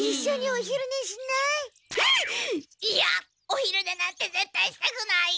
おひるねなんてぜったいしたくない！